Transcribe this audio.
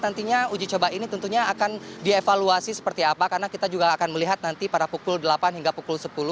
nantinya uji coba ini tentunya akan dievaluasi seperti apa karena kita juga akan melihat nanti pada pukul delapan hingga pukul sepuluh